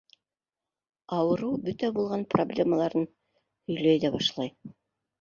Ауырыу бөтә булған проблемаларын һөйләй ҙә башлай.